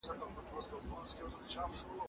څوک د پښتو ګرامر په برخه کي کار کوي؟